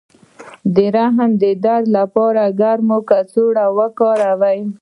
د رحم د درد لپاره ګرمه کڅوړه وکاروئ